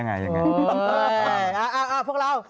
อะพวกเรา